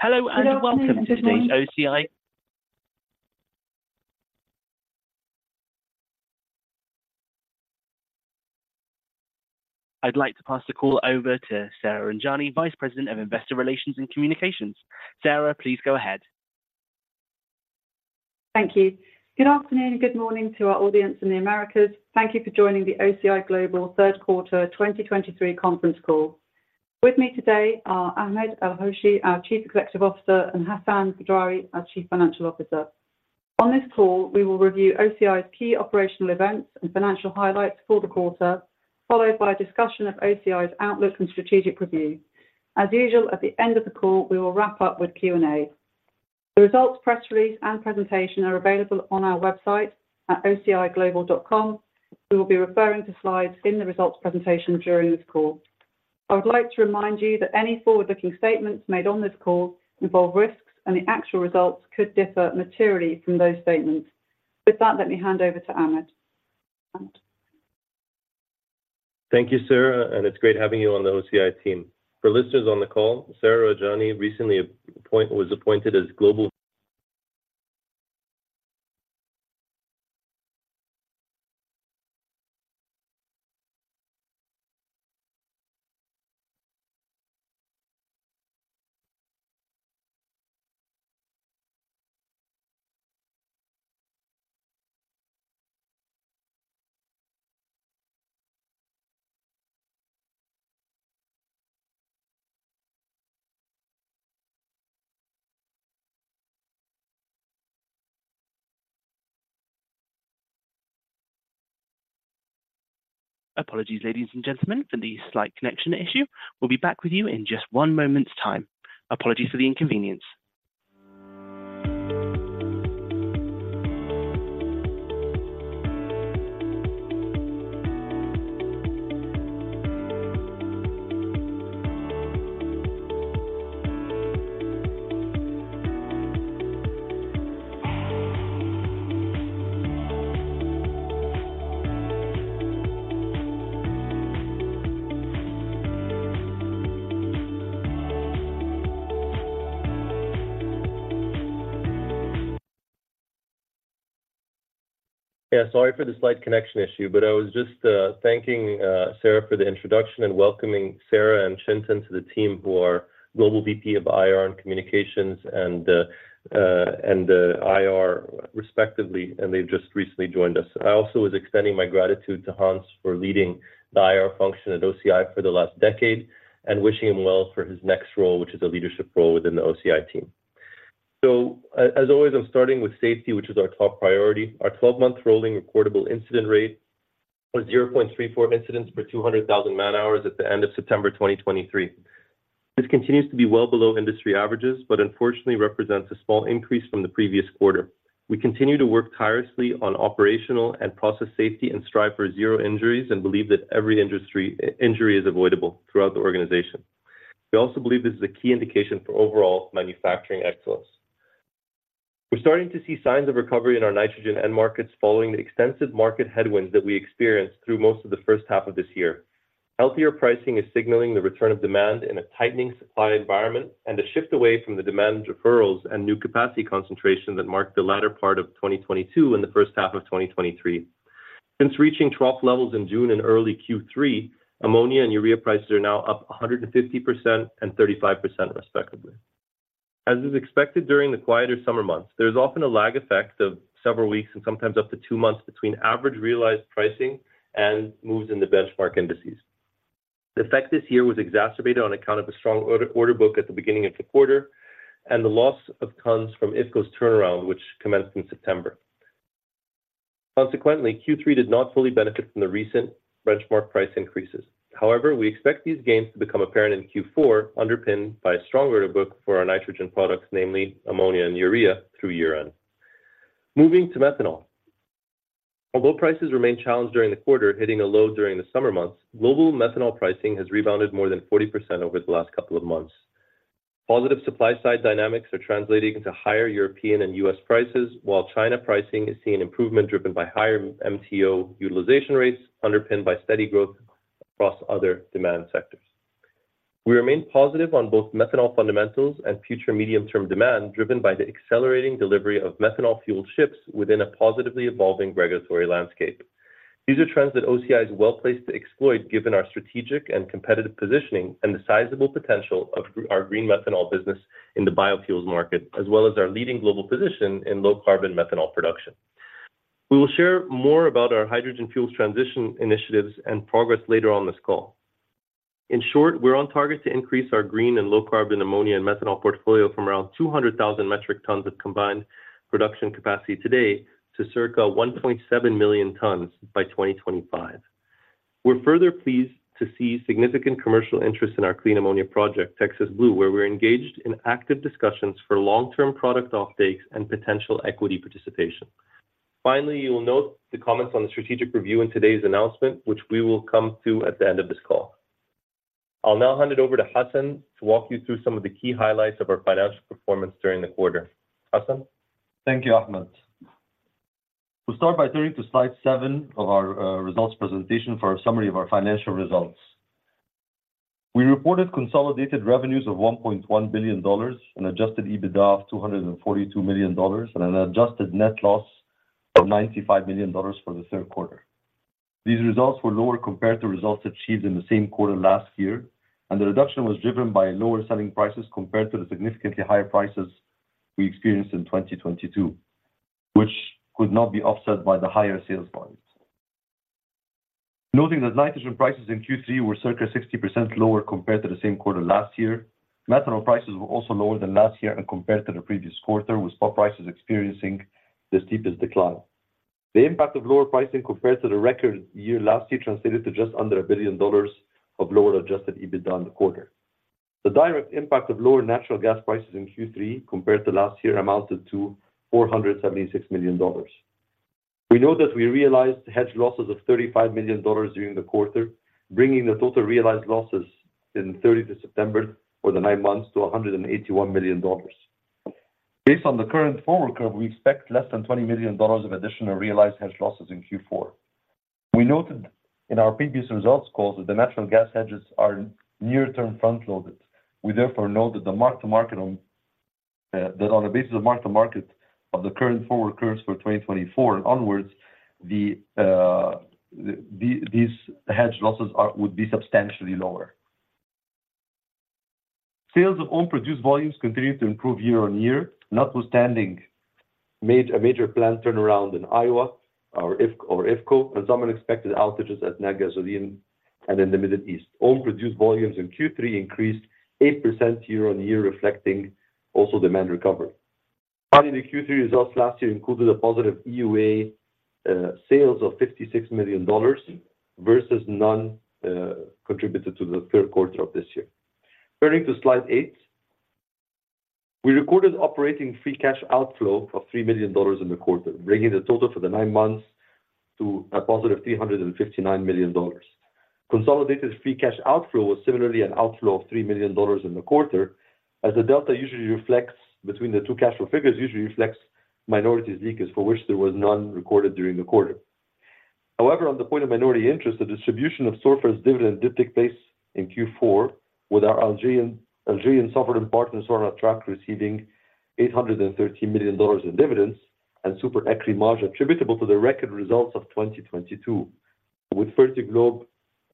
Hello, and welcome to today's OCI. I'd like to pass the call over to Sarah Rajani, Vice President of Investor Relations and Communications. Sarah, please go ahead. Thank you. Good afternoon, good morning to our audience in the Americas. Thank you for joining the OCI Global Q3 2023 conference call. With me today are Ahmed El-Hoshy, our Chief Executive Officer, and Hassan Badrawi, our Chief Financial Officer. On this call, we will review OCI's key operational events and financial highlights for the quarter, followed by a discussion of OCI's outlook and strategic review. As usual, at the end of the call, we will wrap up with Q&A. The results, press release, and presentation are available on our website at ociglobal.com. We will be referring to slides in the results presentation during this call. I would like to remind you that any forward-looking statements made on this call involve risks, and the actual results could differ materially from those statements. With that, let me hand over to Ahmed. Thank you, Sarah, and it's great having you on the OCI team. For listeners on the call, Sarah Rajani recently was appointed as Global- Apologies, ladies and gentlemen, for the slight connection issue. We'll be back with you in just one moment's time. Apologies for the inconvenience. Yeah, sorry for the slight connection issue, but I was just thanking Sarah for the introduction and welcoming Sarah and Jong Chen to the team, who are Global VP of IR and Communications and the IR respectively, and they've just recently joined us. I also was extending my gratitude to Hans for leading the IR function at OCI for the last decade and wishing him well for his next role, which is a leadership role within the OCI team. So as always, I'm starting with safety, which is our top priority. Our 12 month rolling recordable incident rate was 0.34% incidents per 200,000 man-hours at the end of September 2023. This continues to be well below industry averages, but unfortunately represents a small increase from the previous quarter. We continue to work tirelessly on operational and process safety, and strive for zero injuries, and believe that every industry injury is avoidable throughout the organization. We also believe this is a key indication for overall manufacturing excellence. We're starting to see signs of recovery in our nitrogen end markets, following the extensive market headwinds that we experienced through most of the first half of this year. Healthier pricing is signaling the return of demand in a tightening supply environment and a shift away from the demand deferrals and new capacity concentration that marked the latter part of 2022 and the of 2023. Since reaching trough levels in June and early Q3, ammonia and urea prices are now up 150% and 35%, respectively. As is expected during the quieter summer months, there is often a lag effect of several weeks and sometimes up to two months between average realized pricing and moves in the benchmark indices. The effect this year was exacerbated on account of a strong order book at the beginning of the quarter and the loss of tons from IFCO's turnaround, which commenced in September. Consequently, Q3 did not fully benefit from the recent benchmark price increases. However, we expect these gains to become apparent in Q4, underpinned by a strong order book for our nitrogen products, namely ammonia and urea, through year-end. Moving to methanol. Although prices remained challenged during the quarter, hitting a low during the summer months, global methanol pricing has rebounded more than 40% over the last couple of months. Positive supply-side dynamics are translating into higher European and U.S. prices, while China pricing is seeing improvement driven by higher MTO utilization rates, underpinned by steady growth across other demand sectors. We remain positive on both methanol fundamentals and future medium-term demand, driven by the accelerating delivery of methanol-fueled ships within a positively evolving regulatory landscape. These are trends that OCI is well-placed to exploit, given our strategic and competitive positioning and the sizable potential of our green methanol business in the biofuels market, as well as our leading global position in low-carbon methanol production. We will share more about our hydrogen fuels transition initiatives and progress later on this call. In short, we're on target to increase our green and low-carbon ammonia and methanol portfolio from around 200,000 metric tons of combined production capacity today to circa 1.7 million tons by 2025. We're further pleased to see significant commercial interest in our clean ammonia project, Texas Blue, where we're engaged in active discussions for long-term product offtakes and potential equity participation. Finally, you will note the comments on the strategic review in today's announcement, which we will come to at the end of this call. I'll now hand it over to Hassan to walk you through some of the key highlights of our financial performance during the quarter. Hassan? Thank you, Ahmed. We'll start by turning to slide seven of our results presentation for a summary of our financial results. We reported consolidated revenues of $1.1 billion, an adjusted EBITDA of $242 million, and an adjusted net loss of $95 million for the third quarter. These results were lower compared to results achieved in the same quarter last year, and the reduction was driven by lower selling prices compared to the significantly higher prices we experienced in 2022, which could not be offset by the higher sales volumes. Noting that nitrogen prices in Q3 were circa 60% lower compared to the same quarter last year, methanol prices were also lower than last year and compared to the previous quarter, with spot prices experiencing the steepest decline. The impact of lower pricing compared to the record year last year translated to just under $1 billion of lower adjusted EBITDA in the quarter. The direct impact of lower natural gas prices in Q3 compared to last year amounted to $476 million. We know that we realized hedge losses of $35 million during the quarter, bringing the total realized losses in July to September for the nine months to $181 million. Based on the current forward curve, we expect less than $20 million of additional realized hedge losses in Q4. We noted in our previous results call that the natural gas hedges are near-term front-loaded. We therefore note that the mark-to-market on that on the basis of mark-to-market of the current forward curves for 2024 onwards, these hedge losses would be substantially lower. Sales of own produced volumes continued to improve year-on-year, notwithstanding made a major plant turnaround in Iowa or IFCO, and some unexpected outages at Natgasoline and in the Middle East. Own produced volumes in Q3 increased 8% year-on-year, reflecting also demand recovery. Part of the Q3 results last year included a positive EUA sales of $56 million versus none contributed to the third quarter of this year. Turning to slide eight, we recorded operating free cash outflow of $3 million in the quarter, bringing the total for the nine months to a +$359 million. Consolidated free cash outflow was similarly an outflow of $3 million in the quarter, as the delta usually reflects between the two cash flow figures, usually reflects minorities leakage, for which there was none recorded during the quarter. However, on the point of minority interest, the distribution of Sorfert's dividend did take place in Q4, with our Algerian, Algerian sovereign partner, Sonatrach, receiving $813 million in dividends and super écrémage attributable to the record results of 2022, with Fertiglobe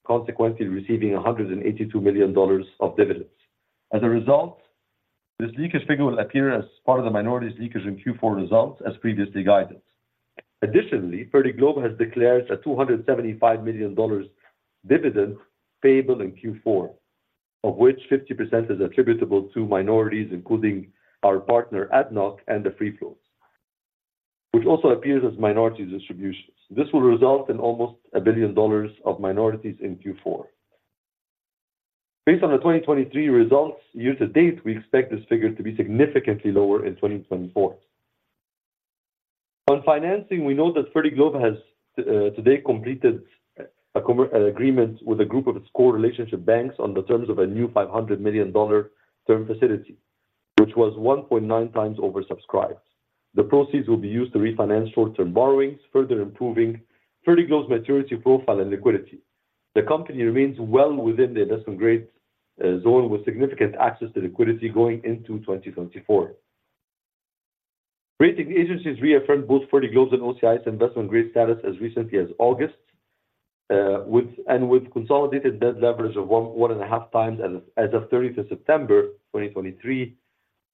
consequently receiving $182 million of dividends. As a result, this leakage figure will appear as part of the minorities leakage in Q4 results as previously guided. Additionally, Fertiglobe has declared a $275 million dividend payable in Q4, of which 50% is attributable to minorities, including our partner, ADNOC, and the free float, which also appears as minority distributions. This will result in almost $1 billion of minorities in Q4. Based on the 2023 results year to date, we expect this figure to be significantly lower in 2024. On financing, we know that Fertiglobe has today completed an agreement with a group of its core relationship banks on the terms of a new $500 million term facility, which was 1.9x oversubscribed. The proceeds will be used to refinance short-term borrowings, further improving Fertiglobe's maturity profile and liquidity. The company remains well within the investment grade zone, with significant access to liquidity going into 2024. Rating agencies reaffirmed both Fertiglobe's and OCI's investment grade status as recently as August, and with consolidated debt levels of 1 to 1.5x as of 30 September 2023,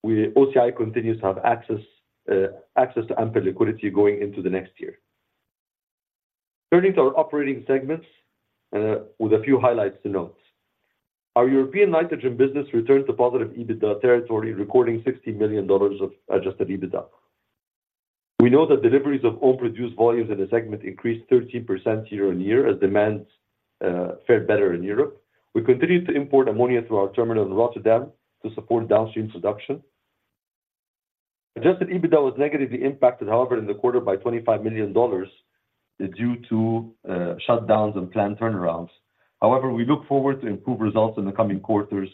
OCI continues to have access to ample liquidity going into the next year. Turning to our operating segments, with a few highlights to note. Our European nitrogen business returned to positive EBITDA territory, recording $60 million of adjusted EBITDA. We know that deliveries of own-produced volumes in the segment increased 13% year-on-year, as demand fared better in Europe. We continued to import ammonia through our terminal in Rotterdam to support downstream production. Adjusted EBITDA was negatively impacted, however, in the quarter by $25 million due to shutdowns and plant turnarounds. However, we look forward to improved results in the coming quarters,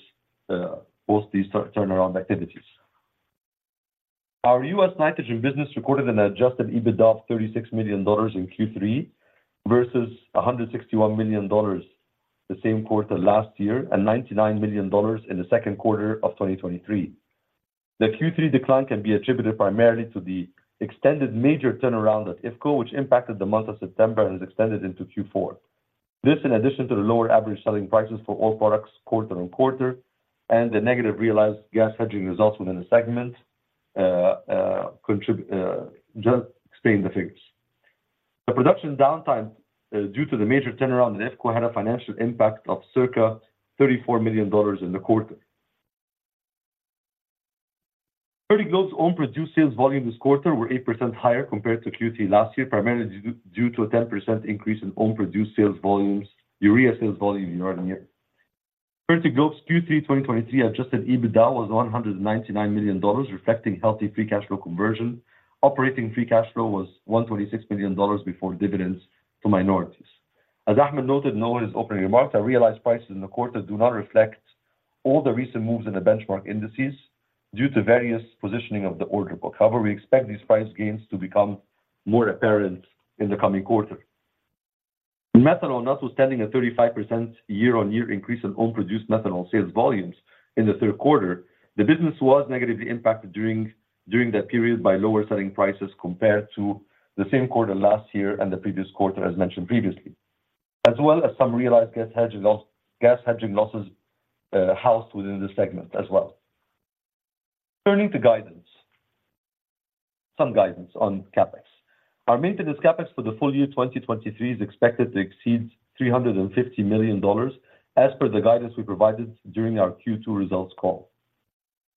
post these turnaround activities. Our U.S. nitrogen business recorded an adjusted EBITDA of $36 million in Q3 versus $161 million the same quarter last year, and $99 million in the second quarter of 2023. The Q3 decline can be attributed primarily to the extended major turnaround at IFCO, which impacted the month of September and is extended into Q4. This, in addition to the lower average selling prices for all products quarter on quarter and the negative realized gas hedging results within the segment, contribute, just explain the figures. The production downtime, due to the major turnaround in IFCO, had a financial impact of circa $34 million in the quarter. Fertiglobe's own produced sales volume this quarter were 8% higher compared to Q3 last year, primarily due to a 10% increase in own-produced sales volumes, urea sales volume year on year. Fertiglobe's Q3 2023 adjusted EBITDA was $199 million, reflecting healthy free cash flow conversion. Operating free cash flow was $126 million before dividends to minorities. As Ahmed noted in his opening remarks, our realized prices in the quarter do not reflect all the recent moves in the benchmark indices due to various positioning of the order book. However, we expect these price gains to become more apparent in the coming quarter. In methanol, notwithstanding a 35% year-on-year increase in own-produced methanol sales volumes in the third quarter, the business was negatively impacted during that period by lower selling prices compared to the same quarter last year and the previous quarter, as mentioned previously, as well as some realized gas hedging losses housed within this segment as well. Turning to guidance, some guidance on CapEx. Our maintenance CapEx for the full year 2023 is expected to exceed $350 million, as per the guidance we provided during our Q2 results call,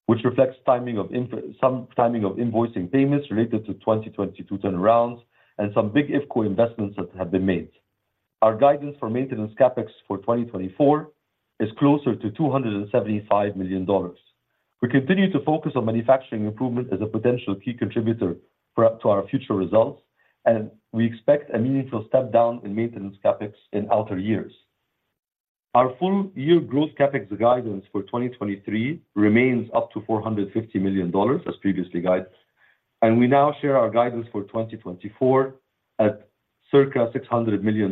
which reflects some timing of invoicing payments related to 2022 turnarounds and some big IFCO investments that have been made. Our guidance for maintenance CapEx for 2024 is closer to $275 million. We continue to focus on manufacturing improvement as a potential key contributor for up to our future results, and we expect a meaningful step down in maintenance CapEx in outer years. Our full-year growth CapEx guidance for 2023 remains up to $450 million, as previously guided, and we now share our guidance for 2024 at circa $600 million,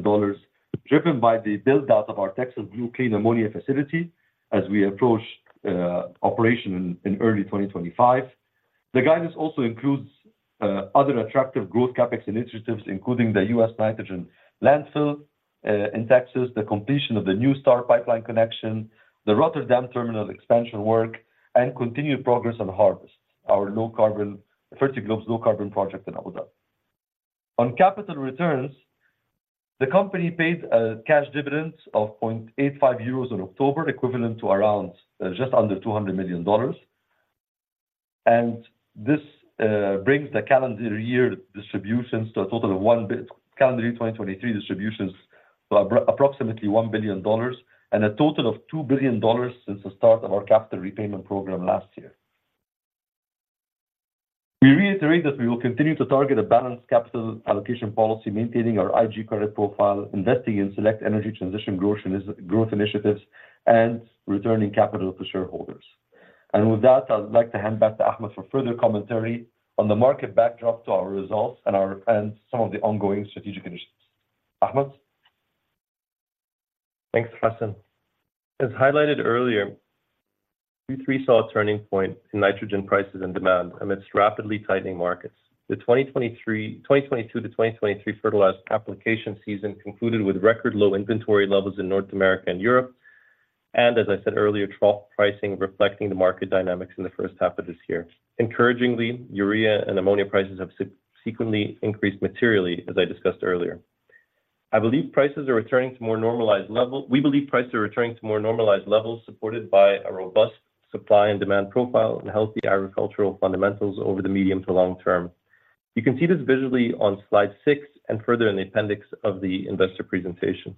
driven by the build-out of our Texas Blue Clean Ammonia facility as we approach operation in early 2025. The guidance also includes other attractive growth CapEx initiatives, including the U.S. nitrogen landfill in Texas, the completion of the new Star Pipeline connection, the Rotterdam terminal expansion work, and continued progress on TA'ZIZ, our low carbon, Fertiglobe's low carbon project in ODA. On capital returns, the company paid a cash dividend of 0.85 euros in October, equivalent to around just under $200 million. This brings the calendar year 2023 distributions to approximately $1 billion and a total of $2 billion since the start of our capital repayment program last year. We reiterate that we will continue to target a balanced capital allocation policy, maintaining our IG credit profile, investing in select energy transition growth initiatives, and returning capital to shareholders. With that, I'd like to hand back to Ahmed for further commentary on the market backdrop to our results and some of the ongoing strategic initiatives. Ahmed? Thanks, Hassan. As highlighted earlier, Q3 saw a turning point in nitrogen prices and demand amidst rapidly tightening markets. The 2023, 2022-2023 fertilizer application season concluded with record-low inventory levels in North America and Europe, and as I said earlier, trough pricing reflecting the market dynamics in the first half of this year. Encouragingly, urea and ammonia prices have subsequently increased materially, as I discussed earlier. I believe prices are returning to more normalized level. We believe prices are returning to more normalized levels, supported by a robust supply and demand profile and healthy agricultural fundamentals over the medium to long term. You can see this visually on slide six and further in the appendix of the investor presentation.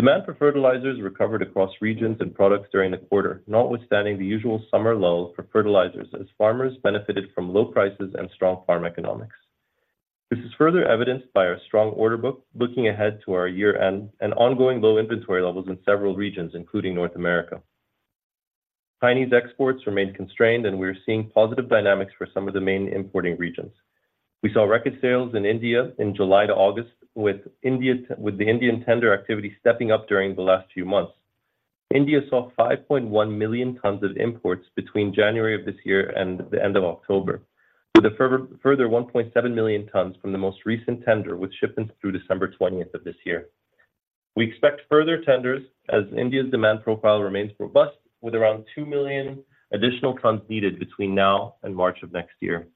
Demand for fertilizers recovered across regions and products during the quarter, notwithstanding the usual summer lull for fertilizers as farmers benefited from low prices and strong farm economics. This is further evidenced by our strong order book, looking ahead to our year-end and ongoing low inventory levels in several regions, including North America. Chinese exports remained constrained, and we're seeing positive dynamics for some of the main importing regions. We saw record sales in India in July to August, with the Indian tender activity stepping up during the last few months. India saw 5.1 million tons of imports between January of this year and the end of October, with a further 1.7 million tons from the most recent tender, with shipments through December 20th of this year. We expect further tenders as India's demand profile remains robust, with around 2 million additional tons needed between now and March of next year.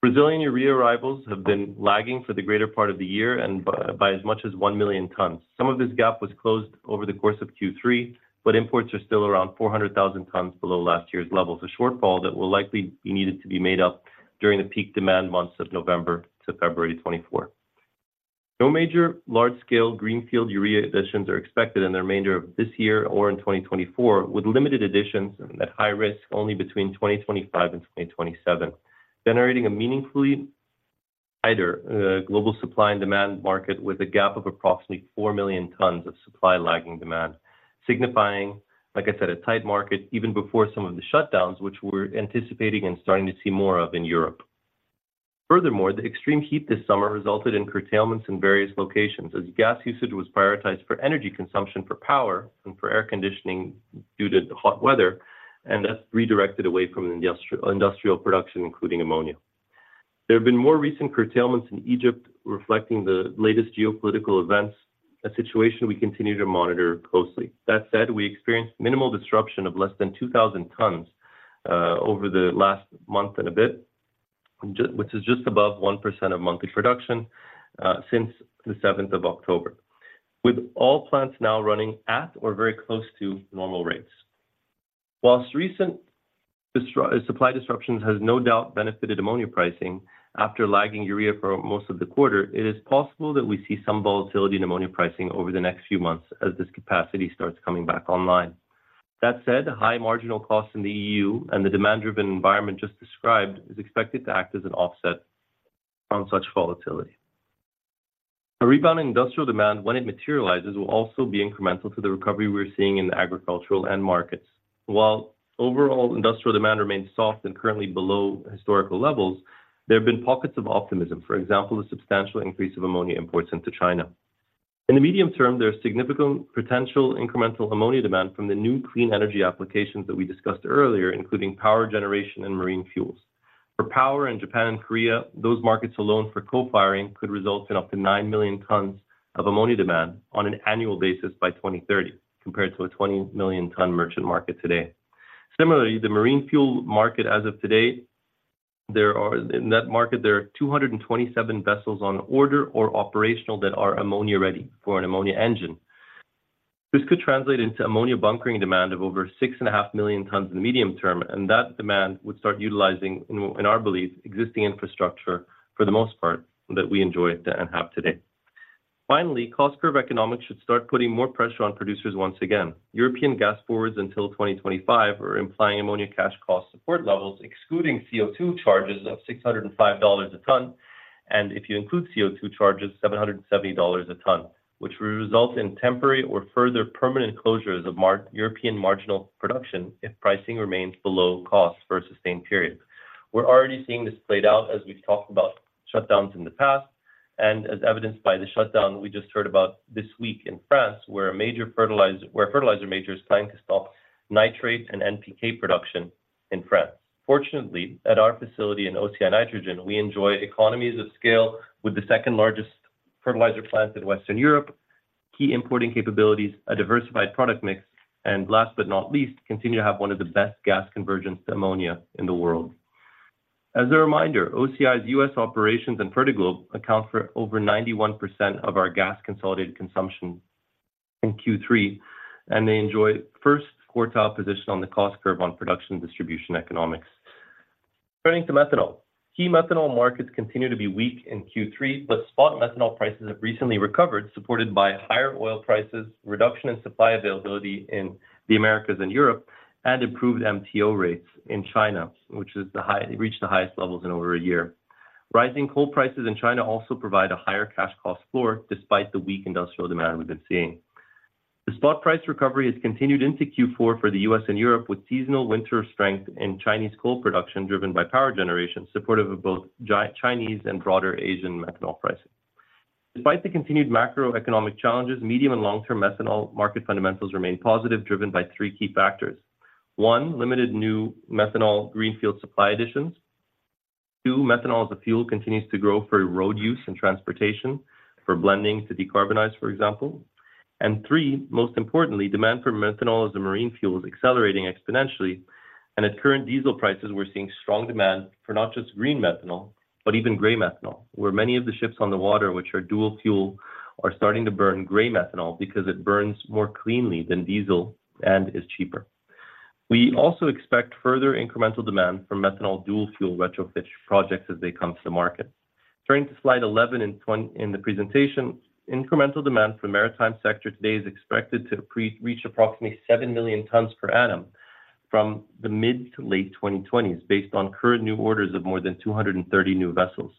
Brazilian urea arrivals have been lagging for the greater part of the year and by as much as 1 million tons. Some of this gap was closed over the course of Q3, but imports are still around 400,000 tons below last year's levels, a shortfall that will likely be needed to be made up during the peak demand months of November to February 2024. No major large-scale greenfield urea additions are expected in the remainder of this year or in 2024, with limited additions at high risk only between 2025 and 2027, generating a meaningfully tighter, global supply and demand market with a gap of approximately 4 million tons of supply lagging demand, signifying, like I said, a tight market even before some of the shutdowns, which we're anticipating and starting to see more of in Europe. Furthermore, the extreme heat this summer resulted in curtailments in various locations as gas usage was prioritized for energy consumption for power and for air conditioning due to the hot weather, and that's redirected away from industrial, industrial production, including ammonia. There have been more recent curtailments in Egypt, reflecting the latest geopolitical events, a situation we continue to monitor closely. That said, we experienced minimal disruption of less than 2,000 tons over the last month and a bit, which is just above 1% of monthly production, since the seventh of October, with all plants now running at or very close to normal rates. While recent supply disruptions has no doubt benefited ammonia pricing after lagging urea for most of the quarter, it is possible that we see some volatility in ammonia pricing over the next few months as this capacity starts coming back online. That said, high marginal costs in the EU and the demand-driven environment just described is expected to act as an offset from such volatility. A rebound in industrial demand, when it materializes, will also be incremental to the recovery we're seeing in the agricultural end markets. While overall industrial demand remains soft and currently below historical levels, there have been pockets of optimism. For example, a substantial increase of ammonia imports into China. In the medium term, there are significant potential incremental ammonia demand from the new clean energy applications that we discussed earlier, including power generation and marine fuels. For power in Japan and Korea, those markets alone for co-firing could result in up to 9 million tons of ammonia demand on an annual basis by 2030, compared to a 20 million ton merchant market today. Similarly, the marine fuel market as of today, there are, in that market, there are 227 vessels on order or operational that are ammonia-ready for an ammonia engine. This could translate into ammonia bunkering demand of over 6.5 million tons in the medium term, and that demand would start utilizing, in our belief, existing infrastructure for the most part, that we enjoy it and have today. Finally, cost curve economics should start putting more pressure on producers once again. European gas forwards until 2025 are implying ammonia cash cost support levels, excluding CO₂ charges of $605 per ton, and if you include CO₂ charges, $770 per ton, which will result in temporary or further permanent closures of marginal European production if pricing remains below cost for a sustained period. We're already seeing this played out as we've talked about shutdowns in the past, and as evidenced by the shutdown we just heard about this week in France, where a fertilizer major is planning to stop nitrates and NPK production in France. Fortunately, at our facility in OCI Nitrogen, we enjoy economies of scale with the second-largest fertilizer plants in Western Europe, key importing capabilities, a diversified product mix, and last but not least, continue to have one of the best gas conversion to ammonia in the world. As a reminder, OCI's U.S. operations and Fertiglobe account for over 91% of our gas consolidated consumption in Q3, and they enjoy first quartile position on the cost curve on production and distribution economics. Turning to methanol. Key methanol markets continue to be weak in Q3, but spot methanol prices have recently recovered, supported by higher oil prices, reduction in supply availability in the Americas and Europe, and improved MTO rates in China, which reached the highest levels in over a year. Rising coal prices in China also provide a higher cash cost floor, despite the weak industrial demand we've been seeing. The spot price recovery has continued into Q4 for the U.S. and Europe, with seasonal winter strength in Chinese coal production driven by power generation, supportive of both Chinese and broader Asian methanol pricing. Despite the continued macroeconomic challenges, medium and long-term methanol market fundamentals remain positive, driven by three key factors: One, limited new methanol greenfield supply additions. Two, methanol as a fuel continues to grow for road use and transportation, for blending to decarbonize, for example. And three, most importantly, demand for methanol as a marine fuel is accelerating exponentially, and at current diesel prices, we're seeing strong demand for not just green methanol, but even gray methanol, where many of the ships on the water, which are dual fuel, are starting to burn gray methanol because it burns more cleanly than diesel and is cheaper. We also expect further incremental demand for methanol dual-fuel retrofit projects as they come to the market. Turning to slide 11 in the presentation, incremental demand for the maritime sector today is expected to reach approximately 7 million tons per annum from the mid- to late 2020s, based on current new orders of more than 230 new vessels.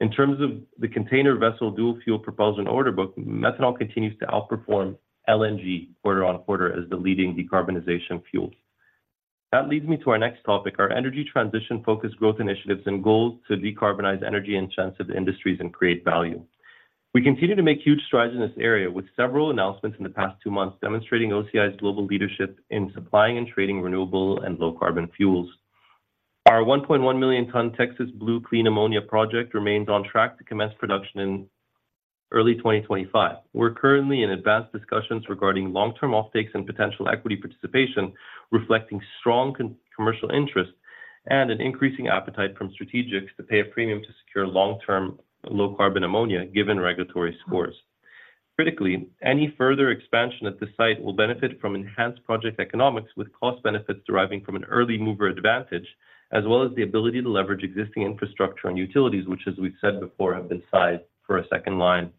In terms of the container vessel, dual-fuel proposal and order book, methanol continues to outperform L&G quarter on quarter as the leading decarbonization fuel. That leads me to our next topic, our energy transition-focused growth initiatives and goals to decarbonize energy-intensive industries and create value. We continue to make huge strides in this area, with several announcements in the past two months demonstrating OCI's global leadership in supplying and trading renewable and low-carbon fuels. Our 1.1 million ton Texas Blue Clean Ammonia project remains on track to commence production in early 2025. We're currently in advanced discussions regarding long-term offtakes and potential equity participation, reflecting strong commercial interest and an increasing appetite from strategics to pay a premium to secure long-term low-carbon ammonia, given regulatory scores. Critically, any further expansion at this site will benefit from enhanced project economics, with cost benefits deriving from an early mover advantage, as well as the ability to leverage existing infrastructure and utilities, which, as we've said before, have been sized for a second line.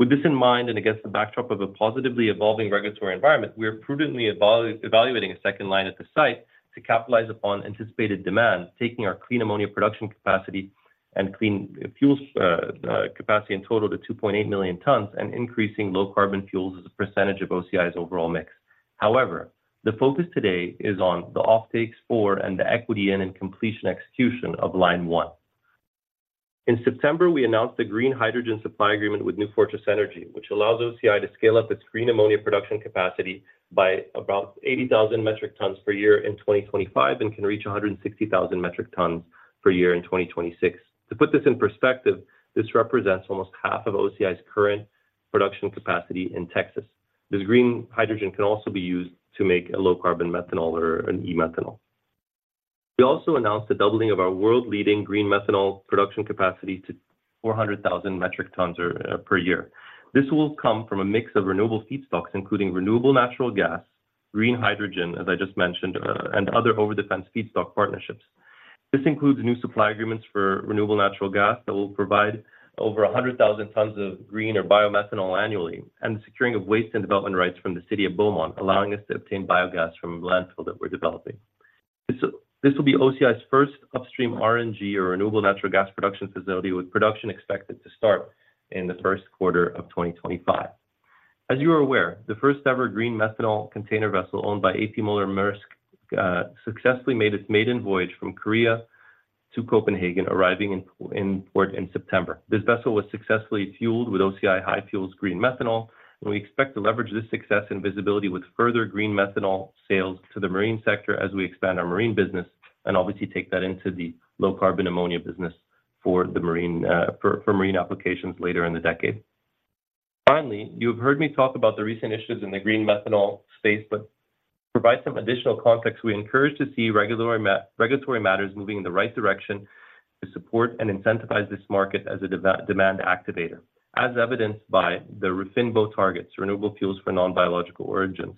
With this in mind, and against the backdrop of a positively evolving regulatory environment, we are prudently evaluating a second line at the site to capitalize upon anticipated demand, taking our clean ammonia production capacity and clean fuels capacity in total to 2.8 million tons and increasing low-carbon fuels as a percentage of OCI's overall mix. However, the focus today is on the offtakes for and the equity in and completion execution of line one. In September, we announced the green hydrogen supply agreement with New Fortress Energy, which allows OCI to scale up its green ammonia production capacity by about 80,000 metric tons per year in 2025 and can reach 160,000 metric tons per year in 2026. To put this in perspective, this represents almost half of OCI's current production capacity in Texas. This green hydrogen can also be used to make a low-carbon methanol or an e-methanol. We also announced the doubling of our world-leading green methanol production capacity to 400,000 metric tons per year. This will come from a mix of renewable feedstocks, including renewable natural gas, green hydrogen, as I just mentioned, and other over-the-fence feedstock partnerships. This includes new supply agreements for renewable natural gas that will provide over 100,000 tons of green or biomethanol annually, and the securing of waste and development rights from the city of Beaumont, allowing us to obtain biogas from a landfill that we're developing. This will, this will be OCI's first upstream RNG or renewable natural gas production facility, with production expected to start in the first quarter of 2025. As you are aware, the first-ever green methanol container vessel owned by A.P. Møller-Mærsk successfully made its maiden voyage from Korea to Copenhagen, arriving in port in September. This vessel was successfully fueled with OCI HyFuels green methanol, and we expect to leverage this success and visibility with further green methanol sales to the marine sector as we expand our marine business, and obviously take that into the low-carbon ammonia business for the marine, for marine applications later in the decade. Finally, you have heard me talk about the recent issues in the green methanol space, but to provide some additional context, we encourage to see regulatory matters moving in the right direction to support and incentivize this market as a demand activator, as evidenced by the RFNBO targets, Renewable Fuels of Non-Biological Origins,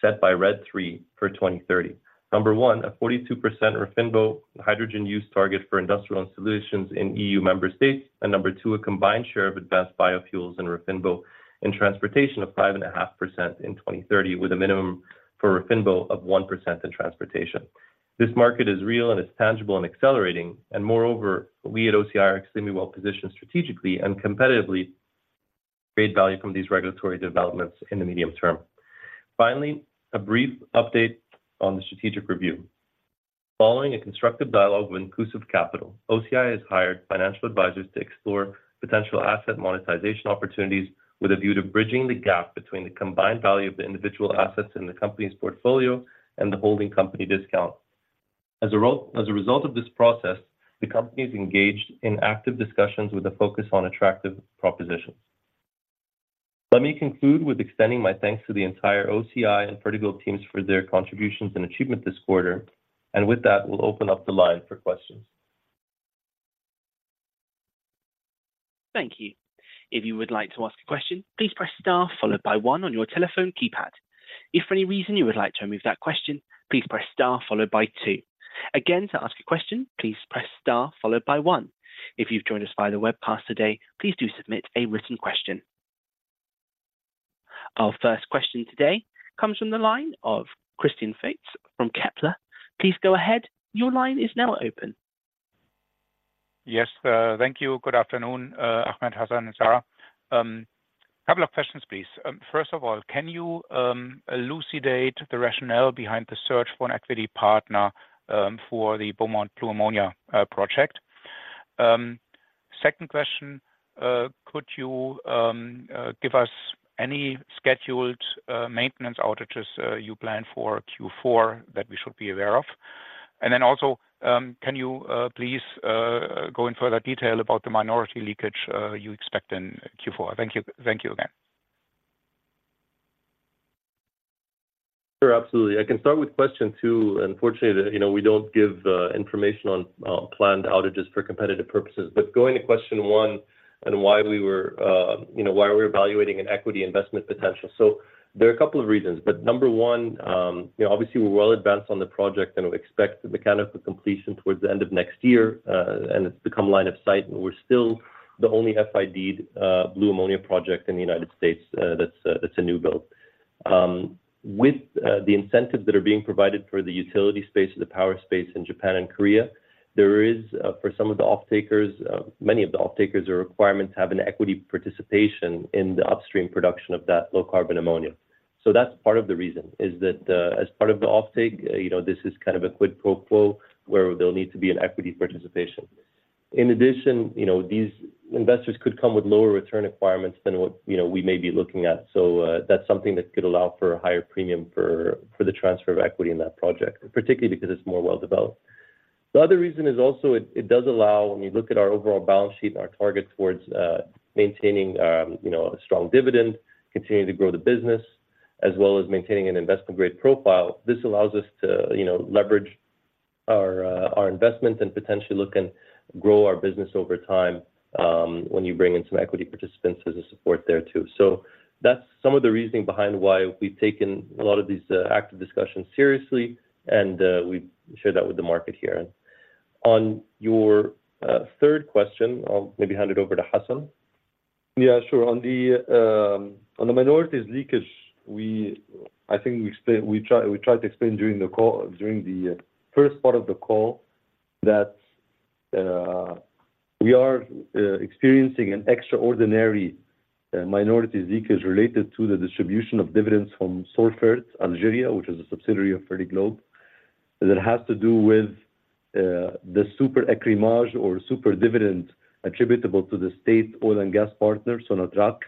set by RED III for 2030. Number one, a 42% RFNBO hydrogen use target for industrial installations in EU member states, and number two, a combined share of advanced biofuels and RFNBO in transportation of 5.5% in 2030, with a minimum for RFNBO of 1% in transportation. This market is real, and it's tangible and accelerating, and moreover, we at OCI are extremely well-positioned strategically and competitively to create value from these regulatory developments in the medium term. Finally, a brief update on the strategic review. Following a constructive dialogue with Inclusive Capital, OCI has hired financial advisors to explore potential asset monetization opportunities with a view to bridging the gap between the combined value of the individual assets in the company's portfolio and the holding company discount. As a result of this process, the company is engaged in active discussions with a focus on attractive propositions. Let me conclude with extending my thanks to the entire OCI and Fertiglobe teams for their contributions and achievement this quarter. With that, we'll open up the line for questions. Thank you. If you would like to ask a question, please press star followed by one on your telephone keypad. If for any reason you would like to remove that question, please press star followed by two. Again, to ask a question, please press star followed by one. If you've joined us via the webcast today, please do submit a written question. Our first question today comes from the line of Christian Faitz from Kepler Cheuvreux. Please go ahead. Your line is now open. Yes, thank you. Good afternoon, Ahmed, Hassan, and Sarah. A couple of questions, please. First of all, can you elucidate the rationale behind the search for an equity partner for the Beaumont Blue Ammonia project? Second question, could you give us any scheduled maintenance outages you plan for Q4 that we should be aware of? And then also, can you please go in further detail about the minority leakage you expect in Q4? Thank you. Thank you again. Sure, absolutely. I can start with question two. Unfortunately, you know, we don't give information on planned outages for competitive purposes. But going to question one and why we were, you know, why we're evaluating an equity investment potential. So there are a couple of reasons, but number one, you know, obviously we're well advanced on the project, and we expect the mechanical completion towards the end of next year, and it's become line of sight, and we're still the only FID Blue Ammonia project in the United States, that's a new build. With the incentives that are being provided for the utility space or the power space in Japan and Korea, there is, for some of the offtakers, many of the offtakers, a requirement to have an equity participation in the upstream production of that low-carbon ammonia. So that's part of the reason, is that, as part of the offtake, you know, this is kind of a quid pro quo where there'll need to be an equity participation. In addition, you know, these investors could come with lower return requirements than what, you know, we may be looking at. So, that's something that could allow for a higher premium for, for the transfer of equity in that project, particularly because it's more well-developed. The other reason is also it does allow, when we look at our overall balance sheet and our target towards maintaining, you know, a strong dividend, continuing to grow the business, as well as maintaining an investment-grade profile. This allows us to, you know, leverage our investment and potentially look and grow our business over time, when you bring in some equity participants as a support there too. So that's some of the reasoning behind why we've taken a lot of these active discussions seriously, and we've shared that with the market here. On your third question, I'll maybe hand it over to Hassan. Yeah, sure. On the minorities leakage, we... I think we explained, we tried, we tried to explain during the call, during the first part of the call, that we are experiencing an extraordinary minority leakage related to the distribution of dividends from Sonatrach Algeria, which is a subsidiary of Fertiglobe, that has to do with the Super Écrémage or Super Dividend attributable to the state oil and gas partner, Sonatrach,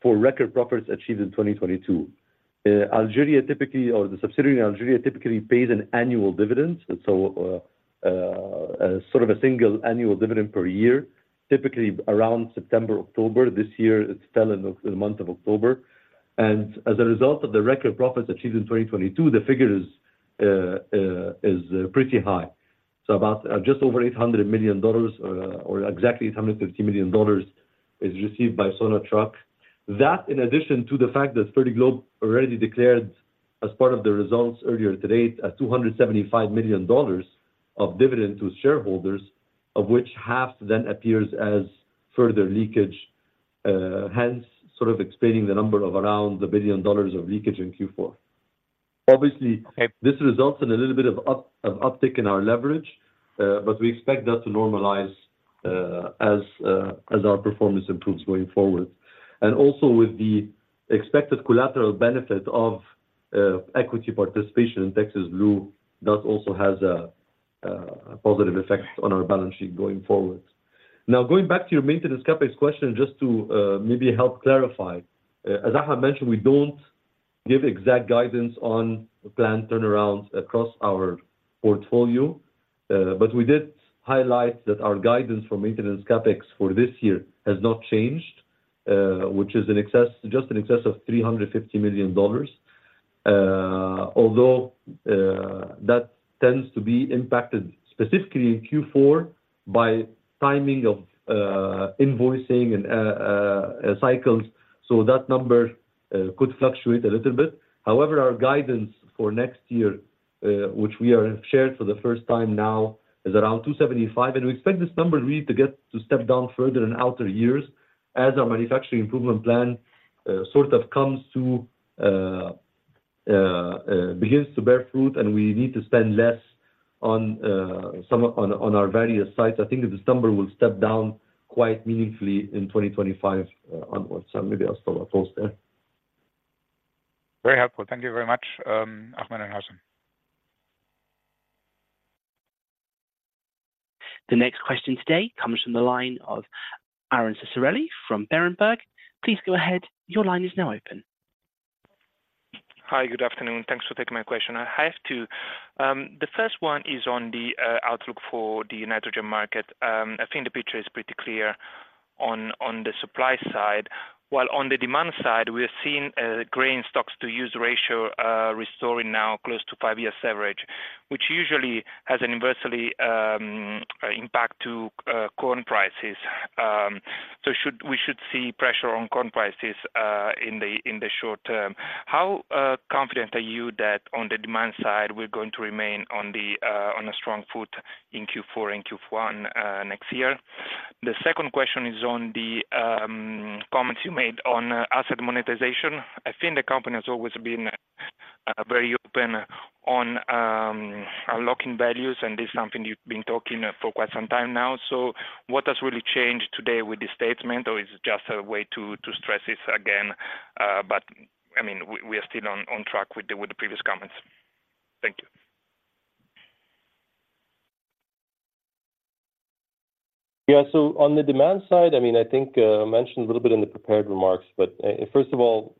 for record profits achieved in 2022. Algeria typically, or the subsidiary in Algeria, typically pays an annual dividend, and so sort of a single annual dividend per year, typically around September, October. This year, it fell in the month of October, and as a result of the record profits achieved in 2022, the figure is pretty high. So about just over $800 million or exactly $850 million is received by Sonatrach. That, in addition to the fact that Fertiglobe already declared as part of the results earlier to date, a $275 million dividend to shareholders, of which half then appears as further leakage, hence sort of explaining the number of around $1 billion of leakage in Q4. Obviously, this results in a little bit of uptick in our leverage, but we expect that to normalize as our performance improves going forward. And also with the expected collateral benefit of equity participation in Texas Blue, that also has a positive effect on our balance sheet going forward. Now, going back to your maintenance CapEx question, just to maybe help clarify. As I have mentioned, we don't give exact guidance on planned turnarounds across our portfolio, but we did highlight that our guidance for maintenance CapEx for this year has not changed, which is in excess, just in excess of $350 million. Although, that tends to be impacted specifically in Q4 by timing of invoicing and cycles, so that number could fluctuate a little bit. However, our guidance for next year, which we are shared for the first time now, is around $275 million, and we expect this number really to get to step down further in outer years as our manufacturing improvement plan sort of comes to begins to bear fruit and we need to spend less on some on our various sites. I think this number will step down quite meaningfully in 2025 on what so maybe I'll stop pause there. Very helpful. Thank you very much, Ahmed and Hassan. The next question today comes from the line of Aron Ceccarelli from Berenberg. Please go ahead. Your line is now open. Hi, good afternoon. Thanks for taking my question. I have two. The first one is on the outlook for the nitrogen market. I think the picture is pretty clear on the supply side, while on the demand side, we are seeing grain stocks-to-use ratio restoring now close to five-year average, which usually has an inversely impact to corn prices. So we should see pressure on corn prices in the short term. How confident are you that on the demand side, we're going to remain on a strong foot in Q4 and Q1 next year? The second question is on the comments you made on asset monetization. I think the company has always been very open on unlocking values, and this is something you've been talking for quite some time now. So what has really changed today with this statement, or is it just a way to stress this again? But I mean, we are still on track with the previous comments. Thank you. Yeah. So on the demand side, I mean, I think, I mentioned a little bit in the prepared remarks, but, first of all,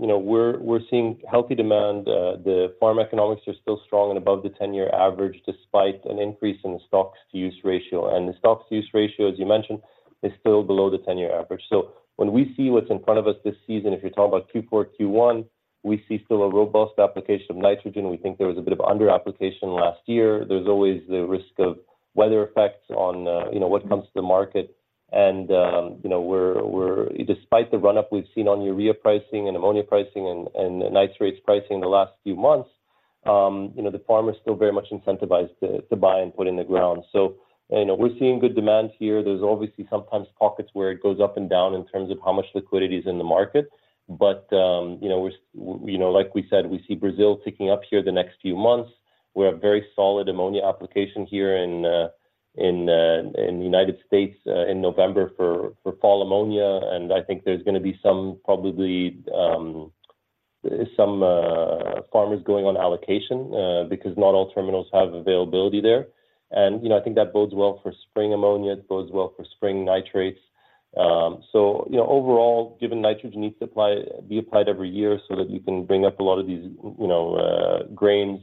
you know, we're, we're seeing healthy demand. The farm economics are still strong and above the ten-year average, despite an increase in the stocks-to-use ratio. And the stocks-to-use ratio, as you mentioned, is still below the ten-year average. So when we see what's in front of us this season, if you're talking about Q4, Q1, we see still a robust application of nitrogen. We think there was a bit of under application last year. There's always the risk of weather effects on, you know, what comes to the market. And, you know, we're, we're... Despite the run-up we've seen on urea pricing and ammonia pricing and nitrates pricing in the last few months, you know, the farmers still very much incentivized to buy and put in the ground. So, you know, we're seeing good demand here. There's obviously sometimes pockets where it goes up and down in terms of how much liquidity is in the market. But, you know, we're, you know, like we said, we see Brazil picking up here the next few months. We have very solid ammonia application here in the United States in November for fall ammonia, and I think there's gonna be some probably farmers going on allocation because not all terminals have availability there. And, you know, I think that bodes well for spring ammonia, it bodes well for spring nitrates. So, you know, overall, given nitrogen needs to apply, be applied every year so that you can bring up a lot of these, you know, grains,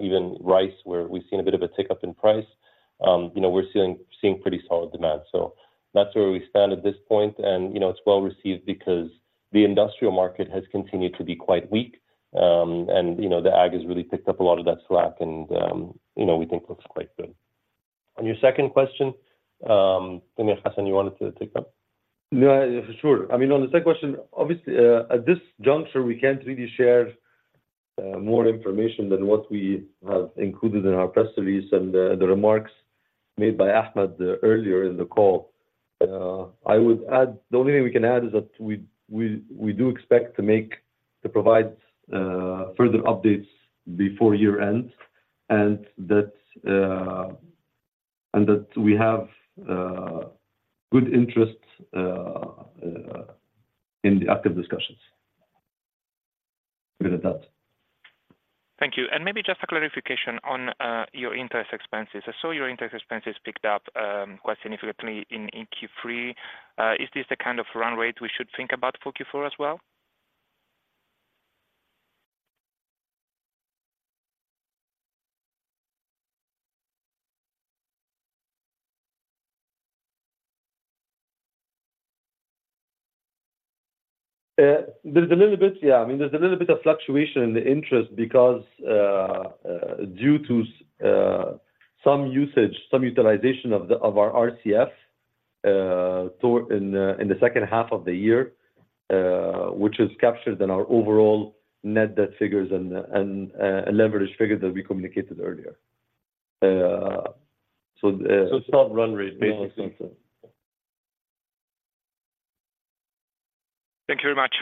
even rice, where we've seen a bit of a tick-up in price. You know, we're seeing, seeing pretty solid demand. So that's where we stand at this point, and, you know, it's well received because the industrial market has continued to be quite weak. And, you know, the ag has really picked up a lot of that slack, and, you know, we think looks quite good. On your second question, maybe Hassan, you wanted to take that? Yeah, sure. I mean, on the second question, obviously, at this juncture, we can't really share more information than what we have included in our press release and the remarks made by Ahmed earlier in the call. I would add, the only thing we can add is that we do expect to provide further updates before year-end, and that we have good interest in the active discussions. We will do that. Thank you. Maybe just a clarification on your interest expenses. I saw your interest expenses picked up quite significantly in, in Q3. Is this the kind of run rate we should think about for Q4 as well? There's a little bit, yeah. I mean, there's a little bit of fluctuation in the interest because, due to some usage, some utilization of our RCF, so in the second half of the year, which is captured in our overall net debt figures and the, and, and leverage figures that we communicated earlier.... so- Stop run rate basically. Thank you very much.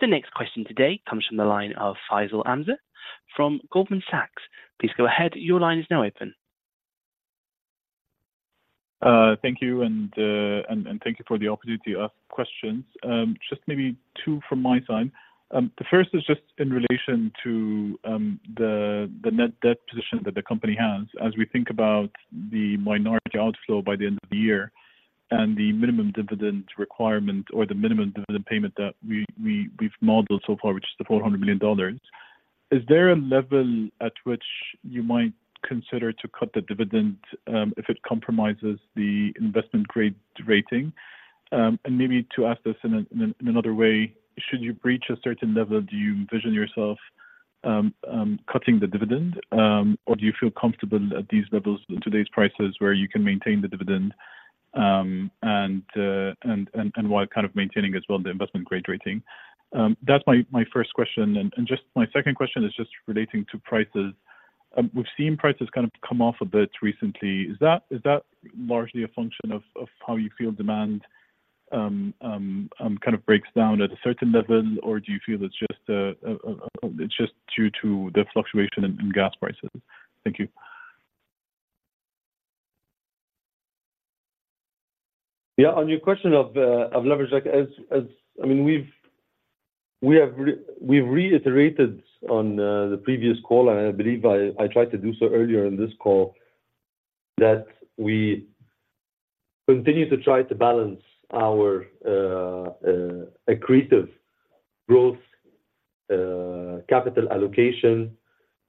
The next question today comes from the line of Faisal Azmeh from Goldman Sachs. Please go ahead. Your line is now open. Thank you for the opportunity to ask questions. Just maybe two from my side. The first is just in relation to the net debt position that the company has. As we think about the minority outflow by the end of the year and the minimum dividend requirement or the minimum dividend payment that we've modeled so far, which is $400 million. Is there a level at which you might consider to cut the dividend, if it compromises the investment grade rating? And maybe to ask this in another way, should you reach a certain level, do you envision yourself cutting the dividend? Or do you feel comfortable at these levels in today's prices, where you can maintain the dividend while kind of maintaining as well the investment grade rating? That's my first question. Just my second question is just relating to prices. We've seen prices kind of come off a bit recently. Is that largely a function of how you feel demand kind of breaks down at a certain level? Or do you feel it's just due to the fluctuation in gas prices? Thank you. Yeah. On your question of leverage, like as—I mean, we've reiterated on the previous call, and I believe I tried to do so earlier in this call, that we continue to try to balance our accretive growth, capital allocation,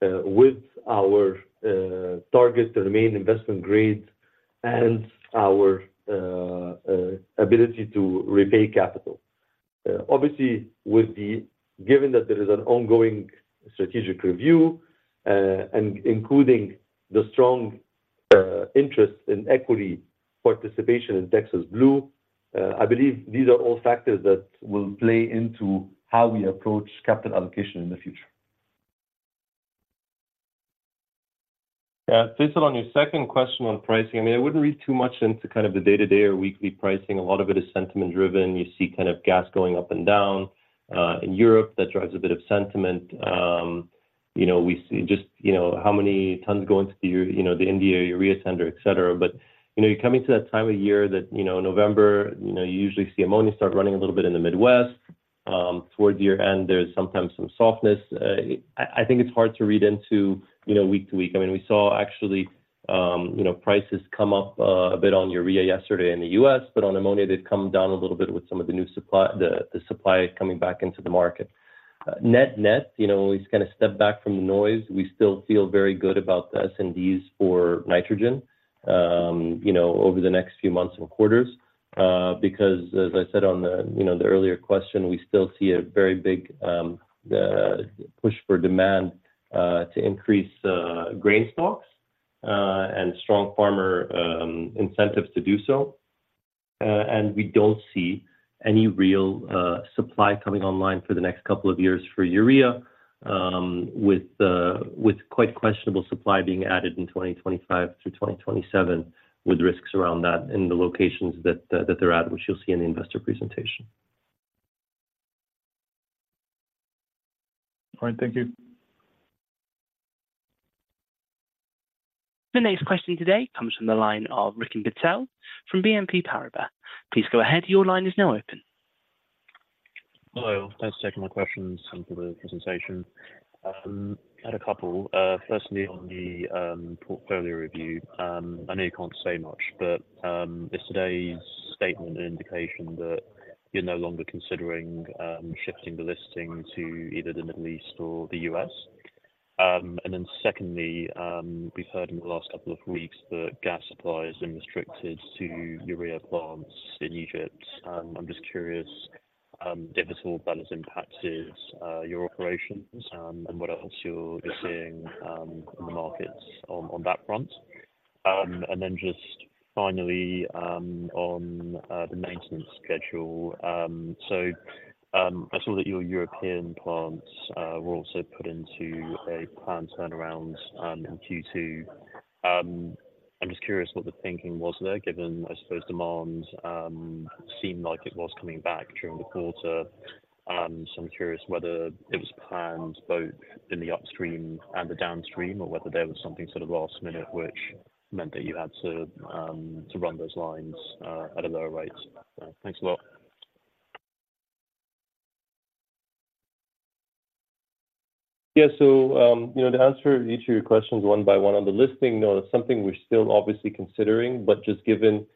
with our target to remain investment grade and our ability to repay capital. Obviously, with the—given that there is an ongoing strategic review, and including the strong interest in equity participation in Texas Blue, I believe these are all factors that will play into how we approach capital allocation in the future. Yeah. Faisal, on your second question on pricing, I mean, I wouldn't read too much into kind of the day-to-day or weekly pricing. A lot of it is sentiment driven. You see kind of gas going up and down in Europe. That drives a bit of sentiment. You know, we see just, you know, how many tons go into the India urea tender, et cetera. But, you know, you're coming to that time of year that, you know, November, you know, you usually see ammonia start running a little bit in the Midwest. Towards the year-end, there's sometimes some softness. I think it's hard to read into, you know, week to week. I mean, we saw actually, you know, prices come up a bit on urea yesterday in the U.S., but on ammonia, they've come down a little bit with some of the new supply, the supply coming back into the market. Net net, you know, we kind of step back from the noise. We still feel very good about the S&Ds for nitrogen, you know, over the next few months and quarters. Because as I said on the, you know, the earlier question, we still see a very big push for demand to increase grain stocks and strong farmer incentives to do so. We don't see any real supply coming online for the next couple of years for urea, with quite questionable supply being added in 2025 through 2027, with risks around that in the locations that they're at, which you'll see in the investor presentation. All right. Thank you. The next question today comes from the line of Rikin Patel from BNP Paribas. Please go ahead. Your line is now open. Hello. Thanks for taking my questions and for the presentation. I had a couple. Firstly on the portfolio review. I know you can't say much, but is today's statement an indication that you're no longer considering shifting the listing to either the Middle East or the U.S.? And then secondly, we've heard in the last couple of weeks that gas supplies have been restricted to urea plants in Egypt. I'm just curious if at all that has impacted your operations and what else you're seeing in the markets on that front? And then just finally on the maintenance schedule. So I saw that your European plants were also put into a plant turnaround in Q2. I'm just curious what the thinking was there, given, I suppose demands seemed like it was coming back during the quarter. So I'm curious whether it was planned both in the upstream and the downstream, or whether there was something sort of last minute, which meant that you had to run those lines at a lower rate. Thanks a lot. Yeah. So, you know, to answer each of your questions one by one, on the listing, no, that's something we're still obviously considering, but just given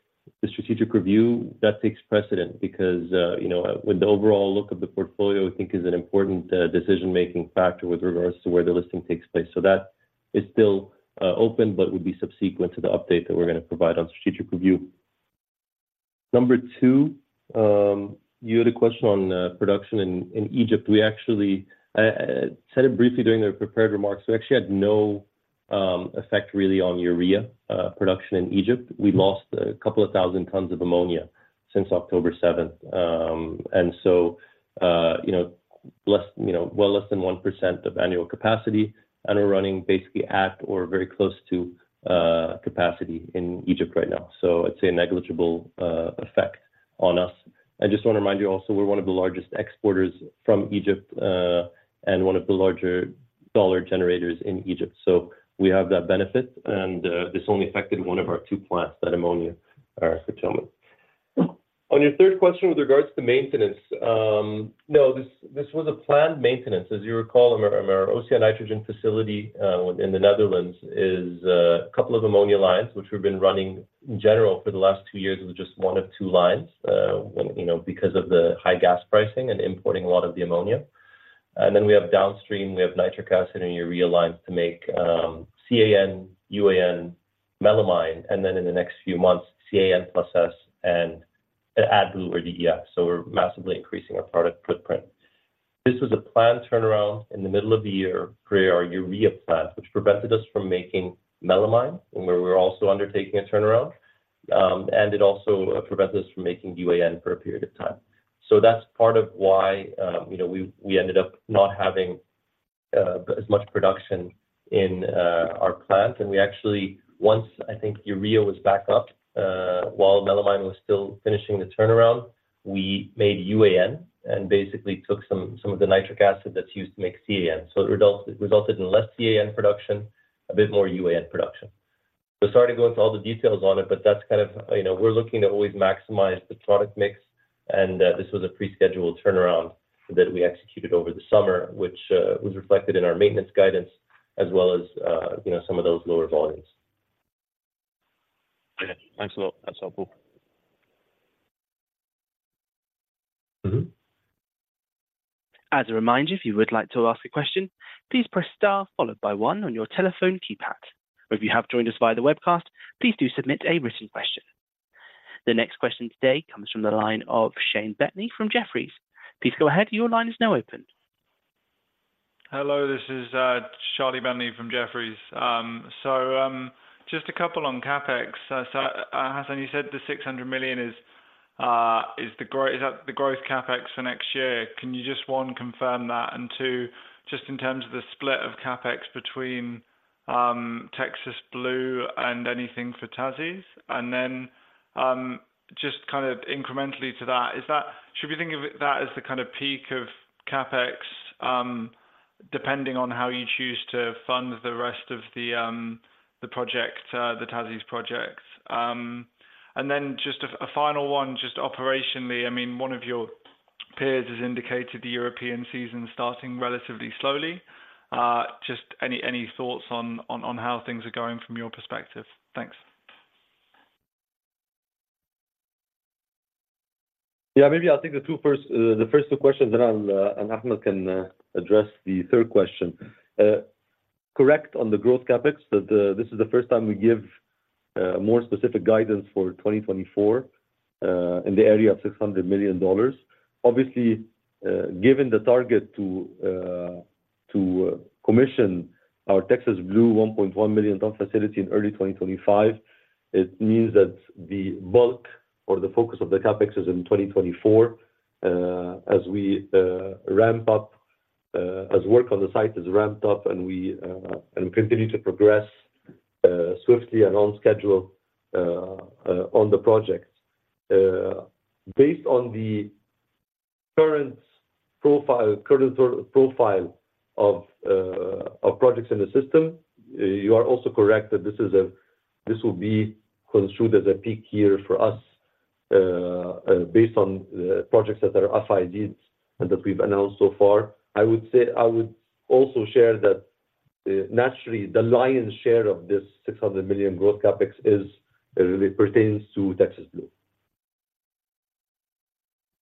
the strategic review, that takes precedence. Because, you know, with the overall look of the portfolio, we think is an important, decision-making factor with regards to where the listing takes place. So that is still, open, but would be subsequent to the update that we're gonna provide on strategic review. Number two, you had a question on, production in Egypt. We actually, said it briefly during the prepared remarks. So actually had no, effect really on urea, production in Egypt. We lost 2,000 tons of ammonia. Since October 7th. And so, you know, less, you know, well less than 1% of annual capacity, and we're running basically at or very close to capacity in Egypt right now. So I'd say a negligible effect on us. I just wanna remind you also, we're one of the largest exporters from Egypt, and one of the larger dollar generators in Egypt. So we have that benefit, and this only affected one of our two plants, that ammonia settlement. On your third question with regards to maintenance, no, this, this was a planned maintenance. As you recall, our OCI Nitrogen facility in the Netherlands is a couple of ammonia lines, which we've been running in general for the last two years with just one of two lines, you know, because of the high gas pricing and importing a lot of the ammonia. And then we have downstream, we have nitric acid and urea lines to make CAN, UAN, melamine, and then in the next few months, CAN+S and AdBlue or DEF. So we're massively increasing our product footprint. This was a planned turnaround in the middle of the year for our urea plant, which prevented us from making melamine, and where we're also undertaking a turnaround. And it also prevented us from making UAN for a period of time. So that's part of why, you know, we, we ended up not having, as much production in, our plant. And we actually, once I think urea was back up, while melamine was still finishing the turnaround, we made UAN, and basically took some, some of the nitric acid that's used to make CAN. So it resulted in less CAN production, a bit more UAN production. We're sorry to go into all the details on it, but that's kind of... You know, we're looking to always maximize the product mix, and, this was a prescheduled turnaround that we executed over the summer, which, was reflected in our maintenance guidance, as well as, you know, some of those lower volumes. Okay, thanks a lot. That's helpful. Mm-hmm. As a reminder, if you would like to ask a question, please press star followed by one on your telephone keypad. Or if you have joined us via the webcast, please do submit a written question. The next question today comes from the line of Charlie Bentley from Jefferies. Please go ahead. Your line is now open. Hello, this is Charlie Bentley from Jefferies. So, just a couple on CapEx. So, Hassan, you said the $600 million is the growth—is that the growth CapEx for next year? Can you just, one, confirm that, and two, just in terms of the split of CapEx between Texas Blue and anything for TA'ZIZ? And then, just kind of incrementally to that, is that—should we think of that as the kind of peak of CapEx, depending on how you choose to fund the rest of the project, the TA'ZIZ project? And then just a final one, just operationally, I mean, one of your peers has indicated the European season starting relatively slowly. Just any thoughts on how things are going from your perspective? Thanks. Yeah, maybe I'll take the two first, the first two questions, then I'll, and Ahmed can, address the third question. Correct on the growth CapEx, that, this is the first time we give, more specific guidance for 2024, in the area of $600 million. Obviously, given the target to, to commission our Texas Blue 1.1 million ton facility in early 2025, it means that the bulk or the focus of the CapEx is in 2024, as we, ramp up, as work on the site is ramped up and we, and we continue to progress, swiftly and on schedule, on the project. Based on the current profile, current profile of projects in the system, you are also correct that this is a—this will be construed as a peak year for us, based on the projects that are FID and that we've announced so far. I would say, I would also share that, naturally, the lion's share of this $600 million growth CapEx really pertains to Texas Blue.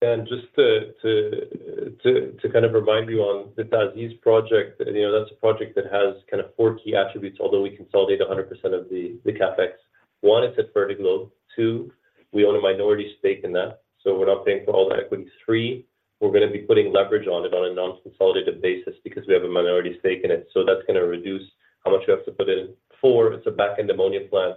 Just to kind of remind you on the TA'ZIZ project, you know, that's a project that has kind of four key attributes, although we consolidate 100% of the CapEx. One, it's a vertical. Two, we own a minority stake in that, so we're not paying for all that equity. Three, we're gonna be putting leverage on it on a non-consolidated basis because we have a minority stake in it, so that's gonna reduce how much we have to put in. Four, it's a back-end ammonia plant.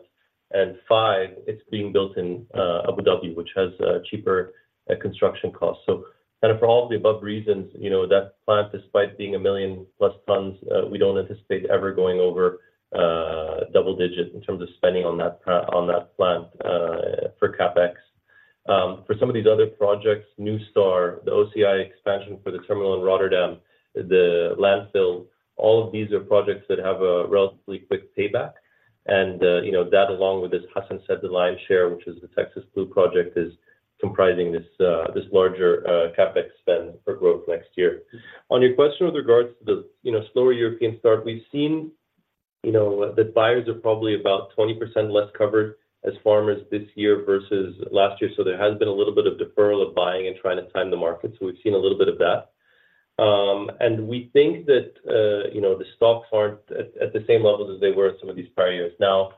And five, it's being built in Abu Dhabi, which has cheaper construction costs. So kind of for all of the above reasons, you know, that plant, despite being a million+ tons, we don't anticipate ever going over double digit in terms of spending on that plant for CapEx. For some of these other projects, NuStar, the OCI expansion for the terminal in Rotterdam, the landfill, all of these are projects that have a relatively quick payback. And, you know, that, along with, as Hassan said, the lion's share, which is the Texas Blue project, is comprising this, this larger, CapEx spend for growth next year. On your question with regards to the, you know, slower European start, we've seen, you know, that buyers are probably about 20% less covered as farmers this year versus last year. So there has been a little bit of deferral of buying and trying to time the market. So we've seen a little bit of that. And we think that, you know, the stocks aren't at, at the same levels as they were some of these prior years. Now,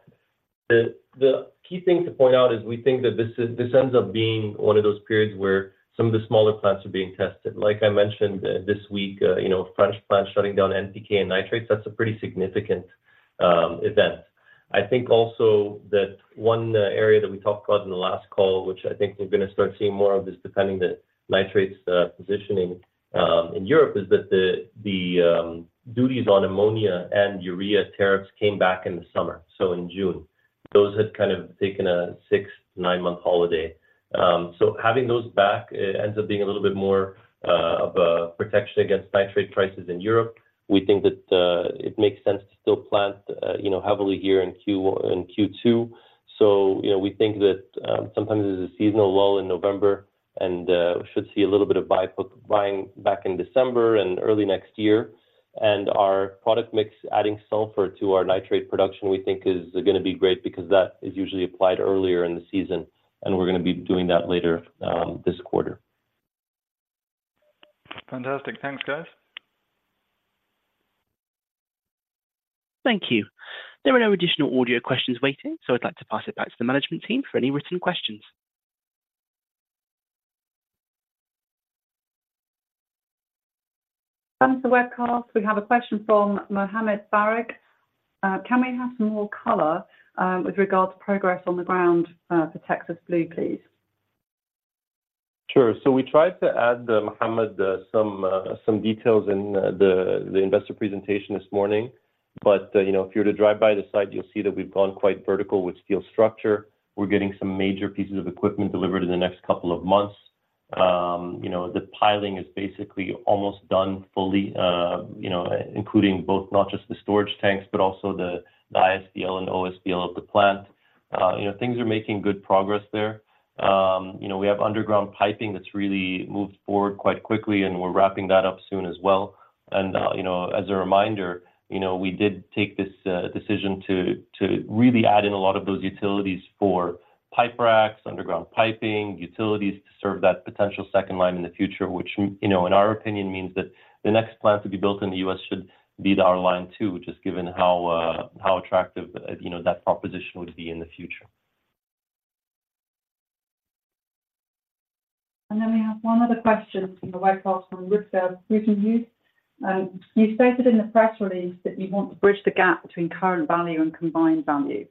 the key thing to point out is we think that this ends up being one of those periods where some of the smaller plants are being tested. Like I mentioned this week, you know, French plants shutting down NPK and nitrates, that's a pretty significant event. I think also that one area that we talked about in the last call, which I think we're gonna start seeing more of, is depending the nitrates positioning in Europe, is that the duties on ammonia and urea tariffs came back in the summer, so in June. Those had kind of taken a six to nine-month holiday. So having those back, it ends up being a little bit more of a protection against nitrate prices in Europe. We think that it makes sense to still plant, you know, heavily here in Q2. So, you know, we think that sometimes there's a seasonal lull in November and should see a little bit of buying back in December and early next year. And our product mix, adding sulfur to our nitrate production, we think is gonna be great because that is usually applied earlier in the season, and we're gonna be doing that later this quarter. Fantastic. Thanks, guys. Thank you. There are no additional audio questions waiting, so I'd like to pass it back to the management team for any written questions. Thanks for the webcast. We have a question from Mohammed Farik. "Can we have some more color, with regards to progress on the ground, for Texas Blue, please? Sure. So we tried to add, Mohammed, some details in the investor presentation this morning. But, you know, if you were to drive by the site, you'll see that we've gone quite vertical with steel structure. We're getting some major pieces of equipment delivered in the next couple of months. You know, the piling is basically almost done fully, you know, including both not just the storage tanks, but also the ISBL and OSBL of the plant. You know, things are making good progress there. You know, we have underground piping that's really moved forward quite quickly, and we're wrapping that up soon as well. you know, as a reminder, you know, we did take this decision to really add in a lot of those utilities for pipe racks, underground piping, utilities to serve that potential second line in the future, which, you know, in our opinion, means that the next plant to be built in the U.S. should be our line two, just given how attractive, you know, that proposition would be in the future. And then we have one other question from the webcast from Ruth Bell, Reuters Review. "You stated in the press release that you want to bridge the gap between current value and combined value.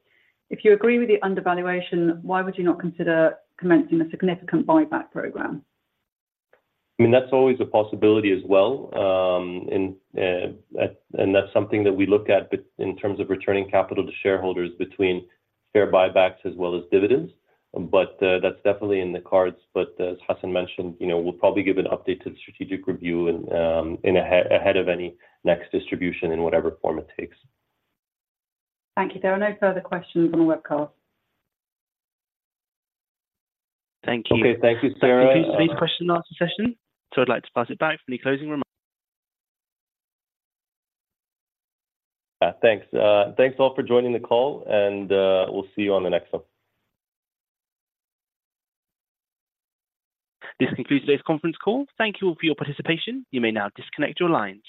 If you agree with the undervaluation, why would you not consider commencing a significant buyback program? I mean, that's always a possibility as well. That's something that we look at, but in terms of returning capital to shareholders between share buybacks as well as dividends. But that's definitely in the cards, but as Hassan mentioned, you know, we'll probably give an update to the strategic review and ahead of any next distribution in whatever form it takes. Thank you. There are no further questions on the webcast. Thank you. Okay. Thank you, Sarah. Thank you for today's question and answer session, so I'd like to pass it back for any closing remarks. Thanks. Thanks, all, for joining the call, and we'll see you on the next one. This concludes today's conference call. Thank you all for your participation. You may now disconnect your lines.